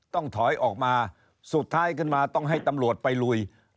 ต้องถอยออกมาสุดท้ายขึ้นมาต้องให้ตำรวจไปลุย